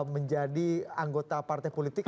menjadi anggota partai politik